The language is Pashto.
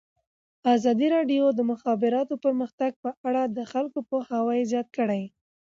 ازادي راډیو د د مخابراتو پرمختګ په اړه د خلکو پوهاوی زیات کړی.